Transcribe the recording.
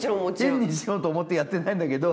変にしようと思ってやってないんだけど。